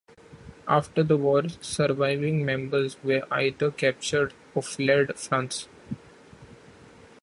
After the war, surviving members were either captured or fled France.